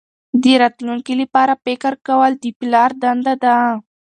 د راتلونکي لپاره فکر کول د پلار دنده ده.